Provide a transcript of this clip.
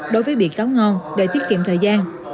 đối với bị cáo ngon để tiết kiệm thời gian